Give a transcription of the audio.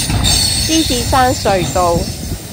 獅子山隧道